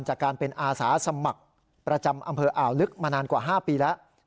จากการเป็นอาสาสมัครประจำอำเภออ่าวลึกมานานกว่า๕ปีแล้ว